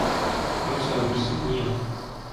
ئەو چاوبرسی نییە.